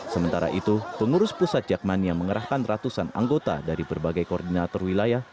sementara itu pengurus pusat jakmania mengerahkan ratusan anggota dari berbagai koordinator wilayah